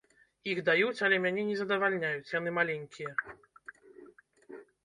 Іх даюць, але мяне не задавальняюць, яны маленькія.